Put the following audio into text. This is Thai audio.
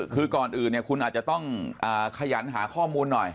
คือก่อนอื่นเนี่ยคุณอาจจะต้องขยันหาข้อมูลหน่อย